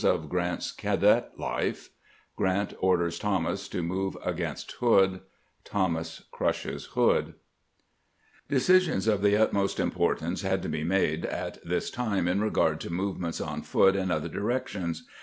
OF GRANT'g CA DET LIFE — GRANT ORDERS THOMAS TO MOVE AGAINST HOOD — THOMAS CRUSHES HOOD DECISIONS of the utmost importance had to be made at this time in regard to movements on foot in other directions.